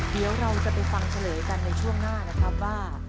เดี๋ยวเราจะไปฟังเฉลยกันในช่วงหน้านะครับว่า